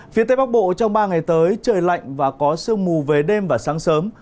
phía tây bắc bộ trong ba ngày tới trời lạnh và có sương mù về đêm và sáng sớm